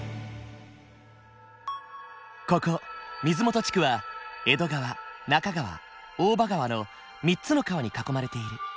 ここ水元地区は江戸川中川大場川の３つの川に囲まれている。